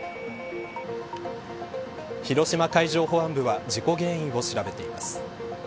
広島海上保安部は事故原因を調べています。